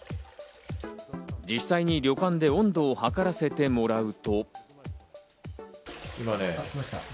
実際に旅館で温度を測らせてもらうと。